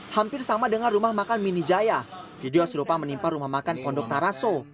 hampir sama dengan rumah makan minijaya video serupa menimpa rumah makan kondok taraso